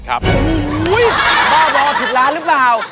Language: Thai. ว่ะว่ะว่ะผิดเรารึเปล่า